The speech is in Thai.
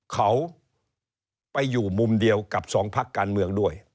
เขาไปอยู่มุมเดียวกับสองพักการเมืองด้วย